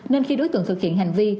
nên khi đối tượng thực hiện hành vi